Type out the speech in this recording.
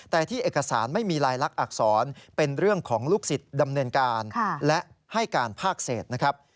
แต่ที่เอกสารไม่มีลายลักษรเป็นเรื่องของลูกศิษย์ดำเนินการและให้การภาคเศษนะครับ